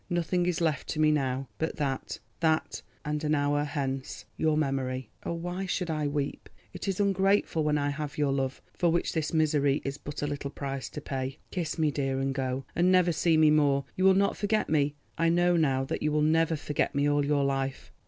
Nothing is left to me now—but that—that and an hour hence—your memory. "Oh, why should I weep? It is ungrateful, when I have your love, for which this misery is but a little price to pay. Kiss me, dear, and go—and never see me more. You will not forget me, I know now that you will never forget me all your life.